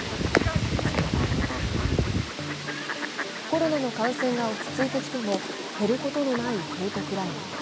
コロナの感染が落ち着いてきても減ることのないヘイトクライム。